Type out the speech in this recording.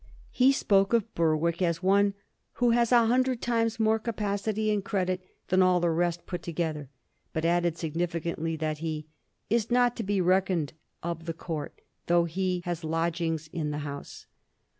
He spoke of Berwick as one who has a hundred times more capacity and credit than all the rest put together," but added sig nificantly that he ^^is not to be reckoned of the Court, though he has lodgings in the house."